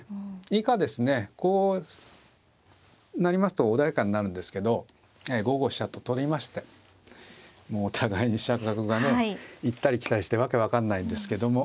以下ですねこうなりますと穏やかになるんですけど５五飛車と取りましてもうお互いに飛車角がね行ったり来たりして訳分かんないんですけども。